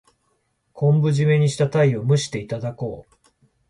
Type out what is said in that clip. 昆布じめにしたタイを蒸していただこう。